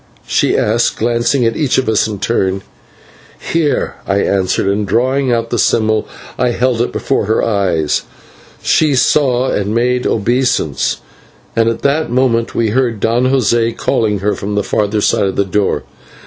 she asked glancing at each of us in turn. "/Here/," I answered, and, drawing out the symbol, I held it before her eyes. She saw and made obeisance, and at that moment we heard Don José calling her from the further side of the door.